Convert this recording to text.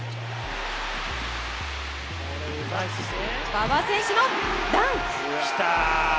馬場選手のダンク！